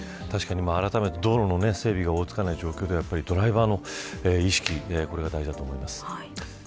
あらためて、道路の整備が追いつかない状況ではドライバーの意識が大事だと思います。